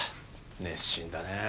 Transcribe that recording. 熱心だねえ。